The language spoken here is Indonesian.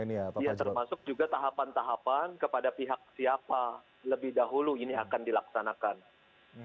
ya termasuk juga tahapan tahapan kepada pihak siapa lebih dahulu ini akan dilaksanakan